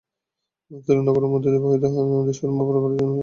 সিলেট নগরের মধ্য দিয়ে প্রবাহিত নদী সুরমা পারাপারের জন্য রয়েছে আটটি খেয়াঘাট।